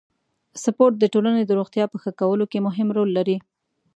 سپورت د ټولنې د روغتیا په ښه کولو کې مهم رول لري.